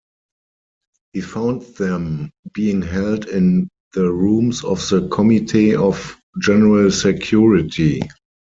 He found them being held in the rooms of the Committee of General Security.